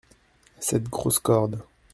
Cette grosse corde.